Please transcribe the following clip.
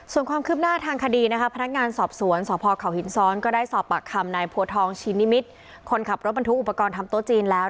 ส่วนความคืบหน้าทางคดีนะคะพนักงานสอบสวนสพเขาหินซ้อนก็ได้สอบปากคำนายโพทองชินนิมิตรคนขับรถบรรทุกอุปกรณ์ทำโต๊ะจีนแล้ว